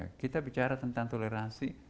ya kita bicara tentang toleransi